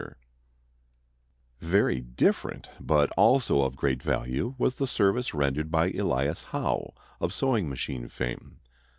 _] Very different, but also of great value, was the service rendered by Elias Howe of sewing machine fame.